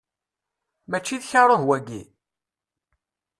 Mačči d karuh, wagi?